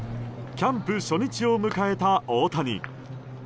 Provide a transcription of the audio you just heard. キャンプ初日を迎えた大谷。